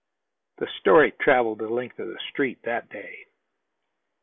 The story traveled the length of the Street that day.